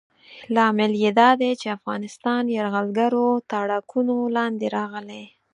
لامل یې دا دی چې افغانستان یرغلګرو تاړاکونو لاندې راغلی.